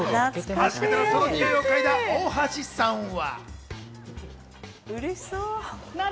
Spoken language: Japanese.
初めてそのにおいを嗅いだ大橋さんは。